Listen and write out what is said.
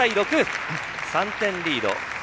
３点リード。